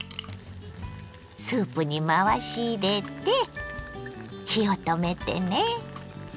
スープに回し入れて火を止めてね。